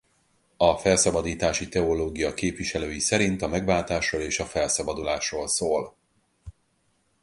A felszabadítási teológia képviselői szerint a megváltásról és a felszabadulásról szól.